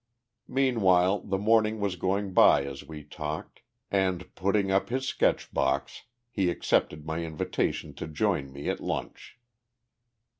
Meanwhile the morning was going by as we talked, and, putting up his sketch box, he accepted my invitation to join me at lunch.